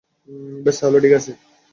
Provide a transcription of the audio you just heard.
বেশ, তাহলে ঠিক আছে।